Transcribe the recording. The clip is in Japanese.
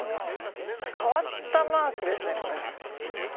変わったマークですねこれ。